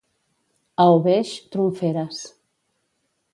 A Oveix, trumferes.